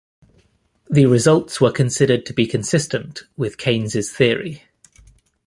The results were considered to be consistent with Keynes' theory.